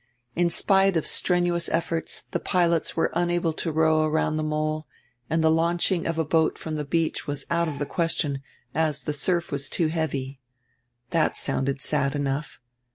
In spite of strenuous efforts die pilots were unable to row around die mole, and die launch ing of a boat from die beach was out of die question, as die surf was too heavy. That sounded sad enough.